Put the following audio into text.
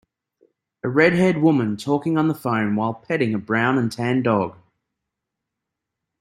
A redhaired woman talking on the phone while petting a brown and tan dog.